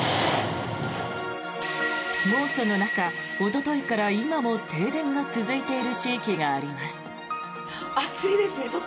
猛暑の中、おとといから今も停電が続いている地域があります。